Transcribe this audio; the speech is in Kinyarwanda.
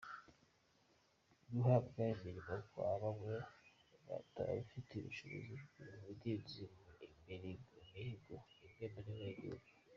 Guhabwa imirimo kwa bamwe batabifitiye ubushobozi biri mubidindiza imirigo imwe n’imwe y’igihugu.